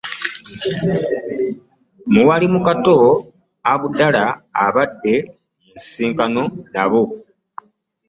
Muwalimu Kato Abudallah abadde mu nsisinkano nabo